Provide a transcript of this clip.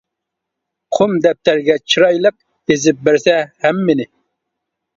قۇم دەپتەرگە چىرايلىق، يېزىپ بەرسە ھەممىنى.